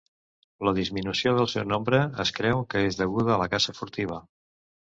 La disminució del seu nombre es creu que és deguda a la caça furtiva.